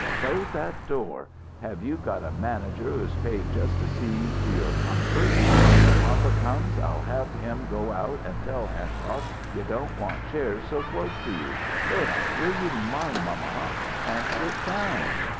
Close that door. Have you got a manager who is paid just to see to your comfort? When papa comes, I'll have him go out and tell Hancock you don't want chairs so close to you. Leon, will you mind mamma and sit down?"